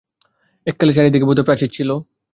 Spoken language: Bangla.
এককালে চারিদিকে বোধহয় প্রাচীর ছিল।